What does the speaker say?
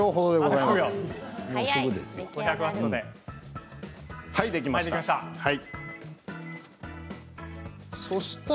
はい、できました。